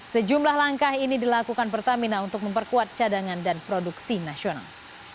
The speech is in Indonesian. sejumlah langkah ini dilakukan pertamina untuk memperkuat cadangan dan produksi nasional